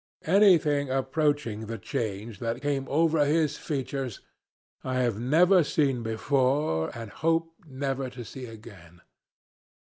"Anything approaching the change that came over his features I have never seen before, and hope never to see again.